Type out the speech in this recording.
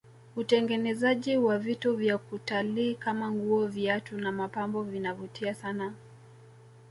utengenezaji wa vitu vya kutalii Kama nguo viatu na mapambo vinavutia sana